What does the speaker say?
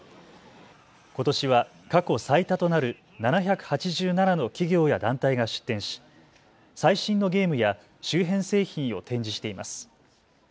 ことしは過去最多となる７８７の企業や団体が出展し最新のゲームや周辺製品を展示しています。